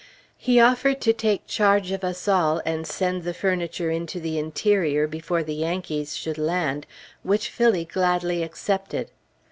He offered to take charge of us all, and send the furniture into the interior before the Yankees should land, which Phillie gladly accepted.